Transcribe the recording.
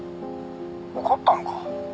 「怒ったのか？」